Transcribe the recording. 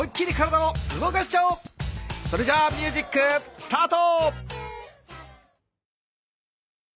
それじゃあミュージックスタート！